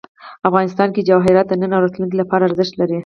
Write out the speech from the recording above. افغانستان کې جواهرات د نن او راتلونکي لپاره ارزښت لري.